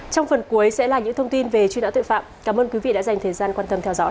trong phần cuối sẽ là những thông tin về truy nã tội phạm cảm ơn quý vị đã dành thời gian quan tâm theo dõi